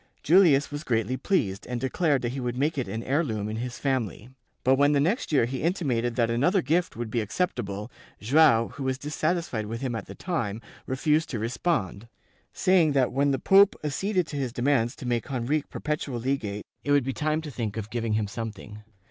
Julius was greatly pleased and declared that he would make it an heir loom in his family, but when the next year he intimated that another gift would be acceptable, Joao, who was dissatisfied with him at the time, refused to respond, saying that when the pope acceded to his demands to make Henrique perpetual legate it would be time to think of giving him something.